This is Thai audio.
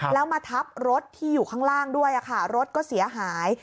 แล้วมาทับรถที่อยู่ข้างล่างด้วยรถก็เสียหาย